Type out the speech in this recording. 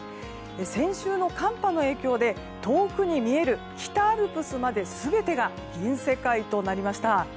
先週の寒波の影響で遠くに見える北アルプスまで全てが銀世界となりました。